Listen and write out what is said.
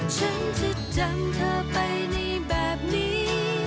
ฉันจะจำเธอไปในแบบนี้